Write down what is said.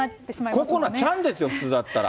心那ちゃんですよ、普通だったら。